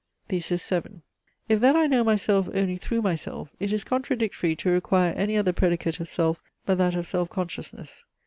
THESIS VII If then I know myself only through myself, it is contradictory to require any other predicate of self, but that of self consciousness.